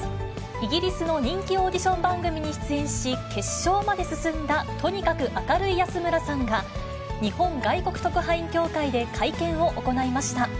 イギリスの人気オーディション番組に出演し、決勝まで進んだ、とにかく明るい安村さんが、日本外国特派員協会で会見を行いました。